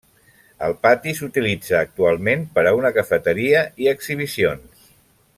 El pati s'utilitza actualment per a una cafeteria i exhibicions.